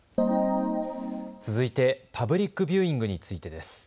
続いてパブリックビューイングについてです。